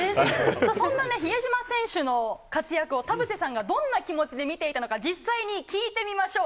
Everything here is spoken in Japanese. そんな比江島選手の活躍を田臥さんがどんな気持ちで見ていたのか、実際に聞いてみましょう。